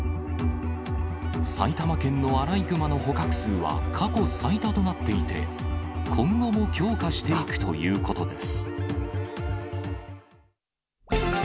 埼玉県のアライグマの捕獲数は過去最多となっていて、今後も強化していくということです。